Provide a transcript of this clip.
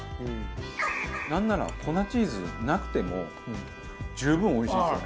なんなら粉チーズなくても十分おいしいですよね。